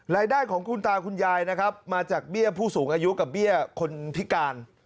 รายได้ของคุณตาคุณยายนะครับมาจากเบี้ยผู้สูงอายุกับเบี้ยคนพิการ